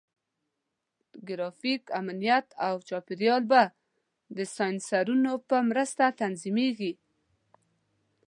ټرافیک، امنیت، او چاپېریال به د سینسرونو په مرسته تنظیمېږي.